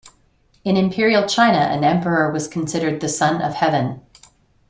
In Imperial China, an emperor was considered the Son of Heaven.